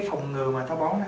phòng ngừa mà táo bón hồi nãy